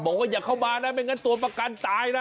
อย่าเข้ามานะไม่งั้นตัวประกันตายนะ